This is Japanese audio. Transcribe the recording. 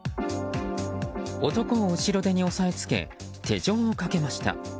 男を後ろ手に押さえつけ手錠をかけました。